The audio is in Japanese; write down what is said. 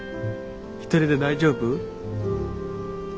一人で大丈夫？